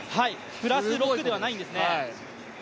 プラス６ではないんですね。